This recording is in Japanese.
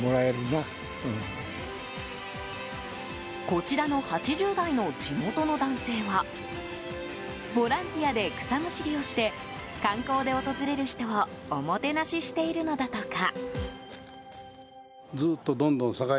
こちらの８０代の地元の男性はボランティアで草むしりをして観光で訪れる人をおもてなししているのだとか。